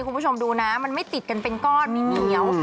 คุณผู้ชมดูนะมันไม่ติดกันเป็นก้อนไม่เหนียว